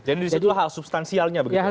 jadi disitu hal substansialnya begitu ya